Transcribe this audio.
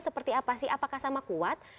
seperti apa sih apakah sama kuat